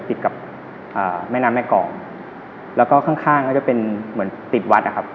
ติดกับอ่าแม่น้ำแม่กองแล้วก็ข้างข้างก็จะเป็นเหมือนติดวัดนะครับ